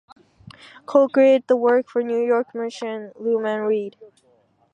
Cole created the work for New York merchant Luman Reed.